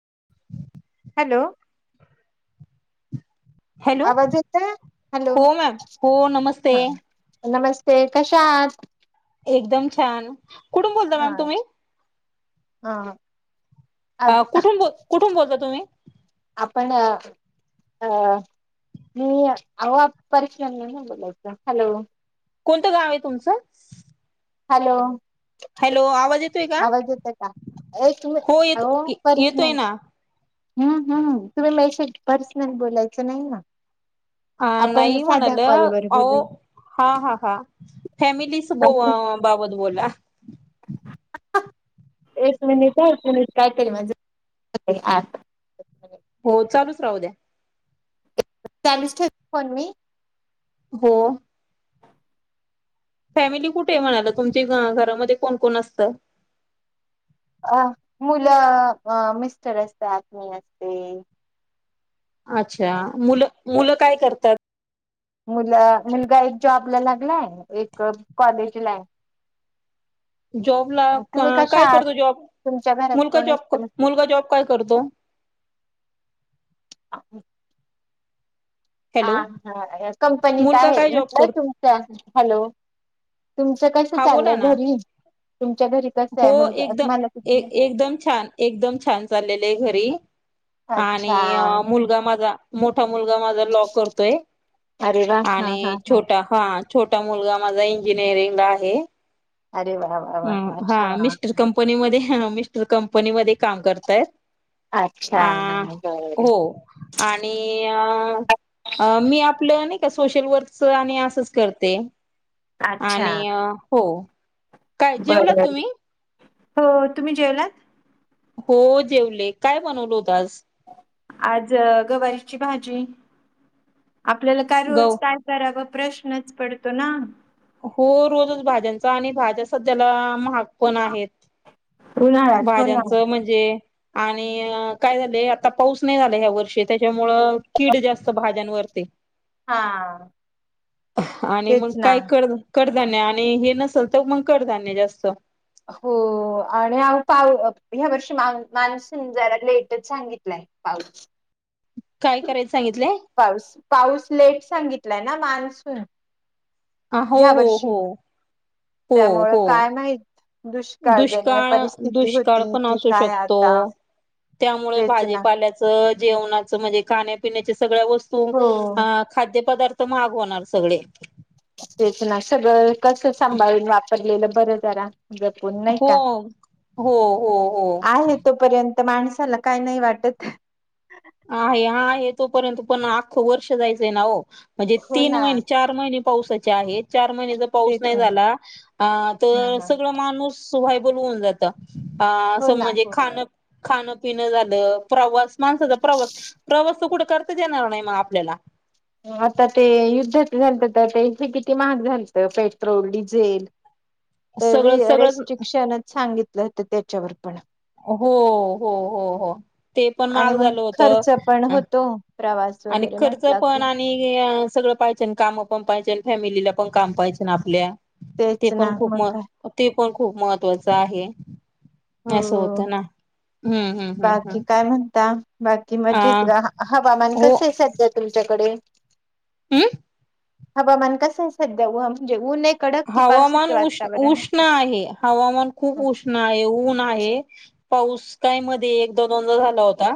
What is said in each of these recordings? [inaudible] Hello hello आवाज येतोय hello हो मॅम हो नमस्ते हा नमस्ते कशा आहात एकदम छान कुठून बोलता मॅम तुम्ही हा हा आ आव कुठून बोल कुठून बोलता तुम्ही आपण अ अ मी आव [unintelligible] हॅलो कोणतं गावाय तुमचं हॅलो हॅलो आवाज येतोय का आवाज येतोय का एक मि हो अहो येतोय येतोय पर्सनल ना हम्म हम् [unintelligible] पर्सनल बोलायचं नाही ना हा आपण नाही साध्या म्हणाल कॉलवर अहो बोलूया हा हा हा फॅमिलीस बोवा बाबत बोला एक मिनिट ह [unintelligible] हो चालूच रा होद्या चालू च ठेव फोन मी हो फॅमिली कुठे य म्हणाला तुमची घ घरामध्ये कोण कोण असत अ मुलं अ मिस्टर असतात मी असते अच्छा मुलं मुलं काय करतात मुलं मुलगा एक जॉबला लागलाय एक कॉलेजला आहे जॉबला तुम्ही कशा काय करतो आहात जॉब तुमच्या घरात मुलगा कोण जॉब असतं मुलगा जॉब काय करतो ह ह हॅलो हा कंपनीत मुलगा आहे काय जॉब म्हटलं करतो तुमच्या हॅलो तुमचं कसं हा बोला चाललंय ना घरी तुमच्या घरी कसं हो आहे मुलगा एकदम तुम्हाला किती एक मुलं एकदम छान एकदम छान चाललेले आहे घरी आणि अच्छा मुलगा माझा मोठ ा मुलगा माझा लॉक करतोय अरे वा हा आणि हा छोटा हा छोटा मुलगा माझा इंजिनिअरिंगला आहे, अरे वा वा वा अ वा हा छान मिस्टर कंपनी मध्ये, मिस्टर कंपनीमध्ये काम करताय. अच्छा अ बर हो आणि अ मी आपलं सोशल वर्क आणि असंच करते. अच्छा आणि अ हो काय जेवला बर तुम्ही हो तुम्ही जेवलात? हो जेवले काय बनवल होत. आज आज गवारीची भाजी, आपल्याला काय गव रोज काय करावं प्रश्नच पडतो ना. हो रोजच भाज्यांचा आणि भाज्या सध्याला महाग पण आहेत उन्हाळ्यात हो ना भाज्यांचं म्हणजे आणि काय झाले आता पाऊस नाही झाला ह्या वर्षी त्या मुळे कीड जास्त भाज्यांवर करते. हा तेच ना करध्य आणि हे नसेल तर मग करताान्य जास्त हो आणि पाऊ ह्या वर्षी मा मानसिन जरा लेटच सांगितलंय पाऊस काय करायच सांगितले पाऊस पाऊस लेट सांगित य ना मानसुून आ हो हो हो हो त्यामुळं हो काय माहित दुष्काळजन्य दुष्काळ परिस्थिती दुष्काळ होती, पण कि असू काय शकतो आता? त्यामुळे तेच ना भाजीपाल्याचं जेवणाच म्हणजे खाण्यापण्या स वत हो खाद पदार्थ मागवणार सगळे तेच नाशगर कसं सांभाळून वा पलेलं बरं जरा जपून नाही हो का हो हो हो तर माणसाला काय नाही वाटत आहे हा आहे तोपर्यंत पण आख्खं वर्ष जायचंय ना हो म्हणजे हो तीन ना महिने चार महिने पावसाच्या आहेत चार महिनचा पाऊस तेच नाही ना झाला अ हा तर हा सगळ माणूस सुभय बोलवन जातं अ स हो ना म्हणजे हो खाण खाणं पिणं झालं प्रवास माणसाच प्रवास प्रवास त कुठे करता येणार नाही मग आपल्याला आता ते युद्धात झा तर त्यांचे किती महाग झालत पेट्रोल डिझेल तर सगळं र सगळंच रेस्ट्रिक्शनच सांगितलं होत त्या चमर्पण हो हो हो हो ते पण आणि महाग मग झालं खर्च पण होतं होतो प्रवास आणि वगैरे खर्च म्हटला पण की आणि सगळं पाहिजे काम पण पाहिजे फॅमिलीला पण काम पाहायच ना आपल्या ते तेच ना पण खूप मग म काय ते पण खूप महत्त्वाच आहे अससं होत हो ना हम्म हम्म हम्म बाकी हम्म काय म्हणता बाकी मजेत अ ग हवामान कस आहे सध्या तुमच्याकडे हम् हबा मन कसं सध्या म्हणजे ऊ न हवामान उष् उष्ण आहे हवामान खूप उष्ण आहे उन आहे पाऊस काय मध्ये एक दोन दोनदा झाला होता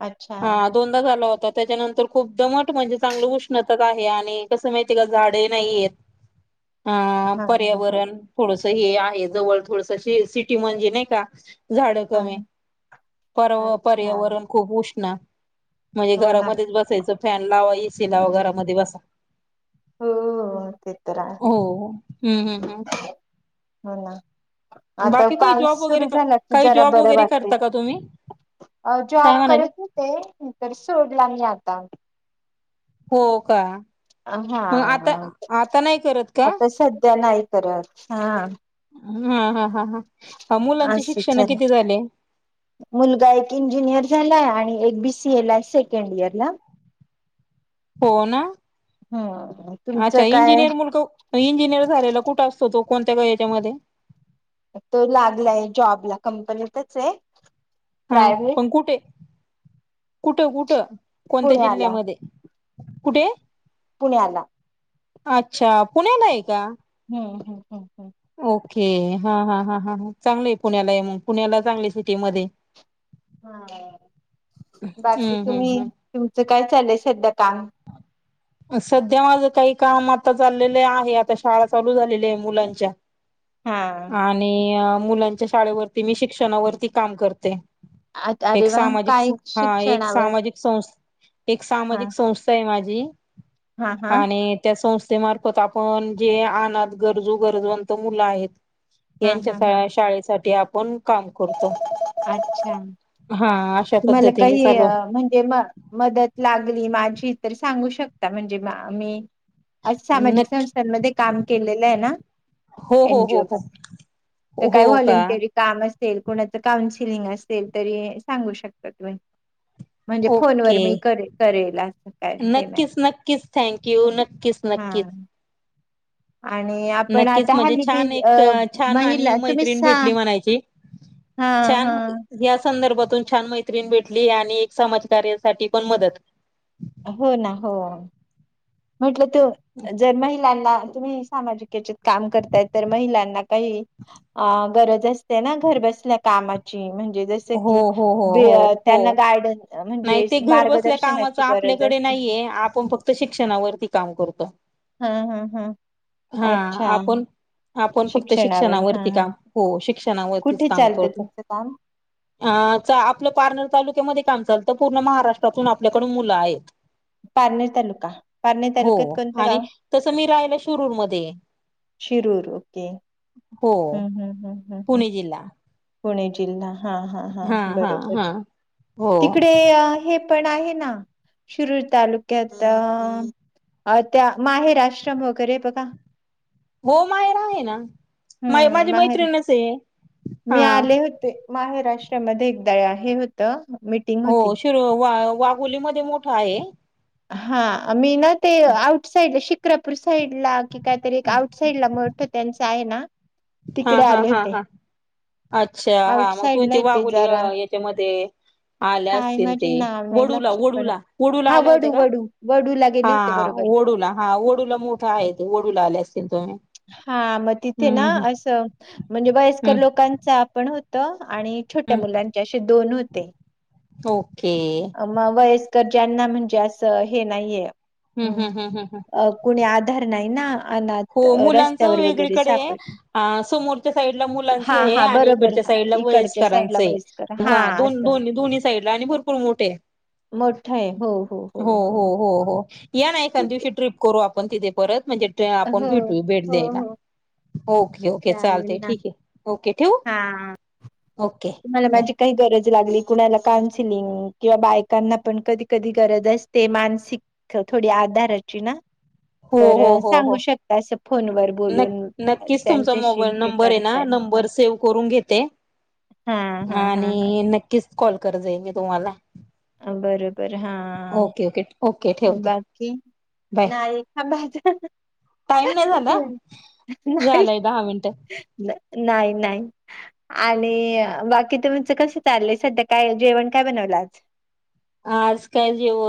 अच्छा हा दोनदा झाल होता त्याच्यानंतर खूप दमट म्हणजे चांगलं उष्णताच आहे आणि कसं माहिती का झाडे नाहीयेत हा हा हा पर्यावरण थोड हे आहे जवळ थोडस सेलसिटी म्हणजे नाही का झाड कमी हा पर अच्छा पर्यावरण खूप उष् ना म्हणजे हो ना घरामध्येच बसायचं फॅन लावा एसी लावा घरामध्ये बसा हो ते तर आहे हो हम्म हम्म हम् ह ना आता पाऊस जॉब वगैरे सुरु झाला कि काही जरा जॉब बरं वगैरे वाटते करता का तुम्ही काय जॉब म्हणाले करत होते तर सोडला मी आता हो का हा मग आता आता नाही करत का आता सध्या नाही करत हा हा हा हा मुलांचे असं शिक्षण चालेल किती झाले मुलगा एक इंजिनियर झालाय आणि एक बीसीए ला सेकंड इयर ला हो ना हम्म तुमचं अच्छा काय इंजिनियर मुलगा इंजिनिअर झालेला कुठं असतो तो कोणत्या ग याच्यामध्ये तो लागलाय जॉब ला कंपनीतच आहे हा प्रायव्हेट पंकुटे कुठ कुठ कूठ कोणत्या पुण्याला जिल्ह्यामध्ये कुठे पुण्याला अच्छा पुण्याला आहे का हम्म हम्म हम्म हम्म ओके हा ह ह ह चांगलं आहे पुण्याला पुण्याला चांगले सिटी मध्ये बाकी हम्म हम्म तुम्ही हम् तुमचं काय चाललय सध्या काम सध्या माझ काही काम आता चाललेले आहे आता शाळा चालू झालेली आहे मुलांच्या हा. आणि अ मुलांच्या शाळेवरती मी शिक्षणावरती काम करते आता एक अरे वा सामाजिक काय सं- हा एक शिक्षणावर सामाजिक संस् एक हा सामाजिक संस्था माझी हा हा आणि त्या संस्था त्या मार्फत आपण जे अना गरजू गरजवंत मुलं आहेत हा हा हा यांच्या शाळेसाठी ते आपण काम करतो अच्छा हा अशा तुम्हाला पद्धतीने काही चालू म्हणजे म मदत लागली माझी री सांगू शकता म्हणजे मी अस सामाजिक नक्की संस्थांमध्ये काम केलेलं आहे ना हो हो एन जी हो ओ हो मध्ये तर काय हो का व्हॉलेंटियरी काम अस कोणाचं काउन्सिलिंग असेल तरी सांगू शकताय तुम्ही म्हणजे फोनवर ओके मी करे करेल असं काय हे नाही नक्कीच नक्कीच थँक यू नक्कीच हा नक्कीच आणि आपण नक्कीच आता म्हणजे हल्ली बी छान अ एक छान आणि महिला तुम्ही मैत्रीण स भेटली म्हणायची हा हा छान या संदर्भातून छान मैत्रिण भेटली. आणि एक समाज कार्यासाठी पण मदत. हो ना हो म्हटलं त जर महिलांना तुम्ही सामाजिकेचेत काम करताय तर महिलांना काही अ गरज असते ना घर बसल्या कामाची म्हण हो हो हो हो हो गायडन नाही म्हणजे ते घर बसल्या कामाच मार्गदर्शनाची गरज आपल्याकडे असते नाहीये आपण फक्त शिक्षणावर ती काम करतो. हा हा हा हा अच्छा आपण आपण फक्त शिक्षणावर हा शिक्षणावरती हा काम हो शिक्षणावरतीच कुठे काम चालतं करतो. तुमचं काम अ चा आपलं पारनेर तालुक्यामध्ये काम चालतं पूर्ण महाराष्ट्रातून आपल्याकडून मुलं आहेत. पारनेर तालुका पारनेर हो तालुक्यात कोणतं आणि गाव तसं मी रायला शुरूरमध्येये. शिरूर ओके हम्म हम्म हम् पुणे जिल्हा पुणे जिल्हा हा हा हा बरोबर हो तिकडे हे- पण आहे ना शिरूर तालुक्यात अ त्या माहेर आश्रम वगैरे बघा. हो माहेर आहे ना मा हम्म माझी माहेर मैत्रिणच ये. मी आले होते. महाराष्ट्रामध्ये एकदा हे होत. मीटिंग हो होती शिरू वा वाघुली मध्ये मोठाये. हा मी ना ते आउट साइडला शिक चक्रापूर साईड ला कि काहीतरी आउट साइडला मोठं त्यांच आहे ना हा तिकडे हा आले हा होते हा अच्छा हा आउट मग साईड तुम्ही ला ते येते वाघुली जरा याच्यामध्ये आले काय असतील माझे ते नाव नाही वडूला लक्षात पण वडूला वडूला हा आल्या होत्या वडू का वडू वडूला गेले होते हा बरोबर वडूला हा वडूला मोठा आहे वडूला आल्या असतील तुम्ही हम्म अस म्हणजे वयस्कर हम्म लोकांचा पण होत त. आणि छोट्या मुलांचे असे दोन होत ते हो आमा वयस ती ज्यांना म्हणजे असं हे नाहीये, हम्म हम् हम्म हम्म हम्म हम्म अ कोुणी आदी धरणाय ना अनाथ हो अ, मुलांच रस्त्यावर वगैरे वेगळीकडे आहे सापडले. आ समोरच्या साईडला मुलांच हां, आहे हां, आणि बरोबर इकडच्या हां, साईडला इकडच्या वयस्करांच साईडला आहे वयस्कर हां, असं दोन्ही साईडला आणि भरपूर मोठय हो हो हो हो या ना तिथे एखांदिवशी ट्रिप करू आपण तिथे परत म्हणजे, कोण हो, भेटू भेट हो, द्यायला. हो, ओके ओके चालतय ठीके ओके ठेवू हा ओके तुम्हाला बाय माझी काही गरज तर लागली कुणाला कान्सिलिंग किंवा बायकांना पण कधी कधी गरज असते मानसिक थोडी आधाराची ना हो तर हो हो हो सांगू शकता असं फोनवर बोलून नक्कीच तुमचा त्यांच्याशी मोबाईल हे नंबरय ना करता येईल नंबर सेव्ह करून घेते हा हा हा हा आणि नक्कीच कॉल करत जाईल मी तुम्हाला बर बर हा ओके ओके ओके बाकी नाइ टाईम नाही झाला नाही झालाय दहा मिनट नाही नाही आणि बाकी तुमचं कस चाललंय सध्या काय जेवण काय बनवलं आज आज काय जेव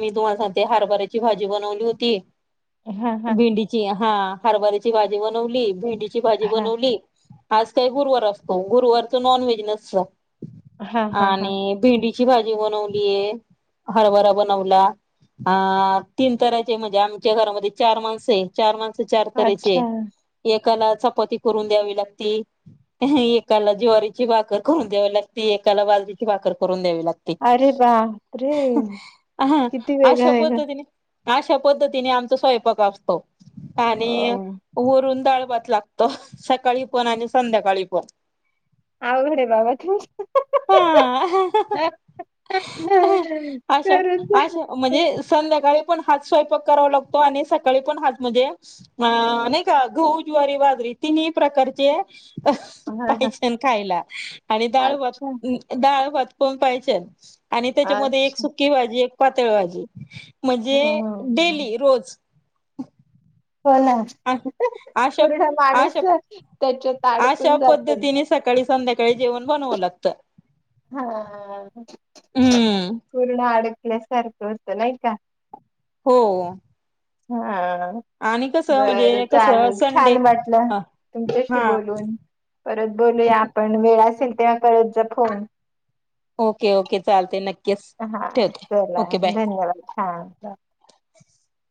मी तुम्हा हरभऱची भाजी बनवली होती हा हा भिंडीचीया हा हरबारीची भाजी बनवली भेंडी भाजी हा बनवली, आज काही गुरुवार असतो गुरुवार तर नॉन व्हेज नसत. हा हा हा आणि भिडी ची भाजी बनव हरभरा बनला तीनचे म्हणजे आमच्या घरामध्ये चार माणस चार माण चार तऱचे अच्छा एकाला चपाती करून द्यावी लागती, एकाला ज्वारीची भाकरर करून द्यावी लागती, एकाला बालजची भाकरर करून द्यावी लागते. लागते अरे बापरे किती वेगळ अशा हाय य. पद्धतीने अशा पद्धतीने आमचा स्वयंपाक असतो. अ आणि वरून डाळ. भात लागतो सकाळी पण आणि संध्याकाळी पण. अवघड आहे बाबा तु. हा अशा अशा म्हणजे संध्याकाळी. पण हाच स्वयंपाक करावा लागतो आणि सकाळी पण हाच म्हणजे अ नाही का गहू ज्वारी बाजरी तिन्ही प्रकारचे. हा हा पाहिजेल खायला आणि डाळ भात अच्छा डाळ भात. पण पाहिजेच. आणि त्यच्यामध्ये एक अच्छा सुकी भाजी एक. पातळ भाजी. म्हणजे हम्म डेली रोज. हो ना अ पूर्ण माणूस लाग. आशा पद्धतीने सकाळी संध्याकाळी. सकाळी जेवण बनावं लागत. हा हा. हम्म पूर्ण अडक. आपल्या सारखं होत नाही का. हो. हा. आणि कसं बर म्हणजे कसं चालेल छान संडे वाटलं तुमच्याक्षी हा बोलून परत बोलूया आपण वेळ असेल. त्या कळत जपून. ओके ओके चालते नक्क. हा चला धन्यवाद. हा. [inaudible]